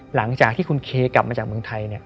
หลังจากที่คุณเคกลับมาจากเมืองไทย